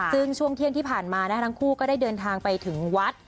ซึ่งช่วงเที่ยงที่ผ่านมาทั้งคู่ก็ได้เดินทางไปถึงวัด